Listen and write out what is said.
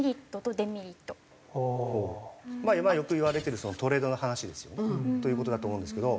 よくいわれてるトレードの話ですよね。という事だと思うんですけど。